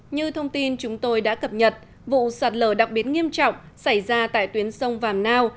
như thông tin chúng tôi đã cập nhật vụ sạt lở đặc biệt nghiêm trọng xảy ra tại tuyến sông vàm nao